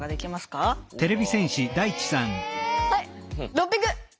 ６００。